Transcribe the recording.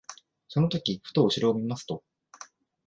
その時ふと後ろを見ますと、